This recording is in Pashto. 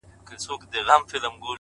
كله .كله ديدنونه زما بــدن خــوري.